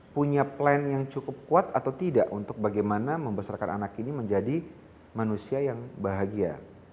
punya plan yang cukup kuat atau tidak untuk bagaimana membesarkan anak ini menjadi manusia yang bahagia